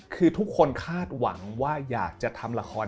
คือทุกคนคาดหวังว่าอยากจะทำละคร